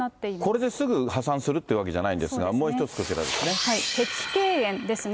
これですぐ破産するってわけじゃないんですが、もう一つこち碧桂園ですね。